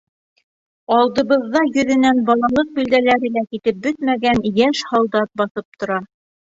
Алдыбыҙҙа йөҙөнән балалыҡ билдәләре лә китеп бөтмәгән йәш һалдат баҫып тора.